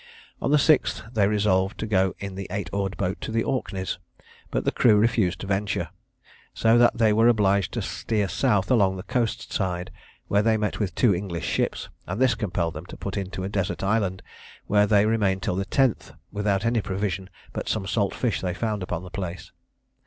On the 6th they resolved to go in the eight oared boat to the Orkneys; but the crew refused to venture, so that they were obliged to steer south along the coast side, where they met with two English ships; and this compelled them to put into a desert island, where they remained till the 10th, without any provision but some salt fish they found upon the place.